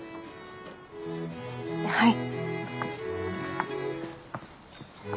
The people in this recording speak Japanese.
はい。